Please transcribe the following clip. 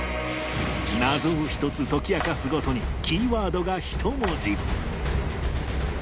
謎を１つ解き明かすごとにキーワードが１文字